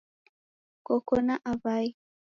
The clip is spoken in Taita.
Koko na awai?